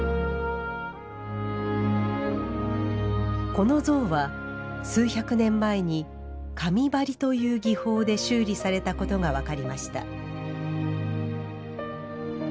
この像は、数百年前に紙貼りという技法で修理されたことが分かりました。